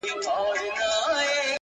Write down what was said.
• له ټوټو بشپړ بلوړ کله جوړیږي -